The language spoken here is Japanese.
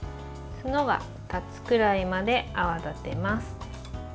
ツノが立つくらいまで泡立てます。